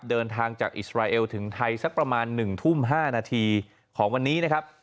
เดินทางจากอิสราเอลถึงไทยสักประมาณ๑ทุ่ม๕นาทีของวันนี้นะครับ